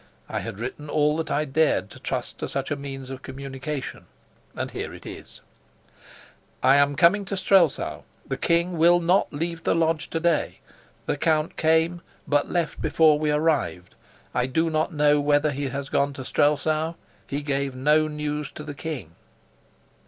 I had written all that I dared to trust to such a means of communication, and here it is: "I am coming to Strelsau. The king will not leave the lodge to day. The count came, but left before we arrived. I do not know whether he has gone to Strelsau. He gave no news to the king."